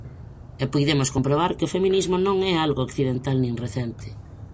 E puidemos comprobar que o feminismo non é algo occidental nin recente.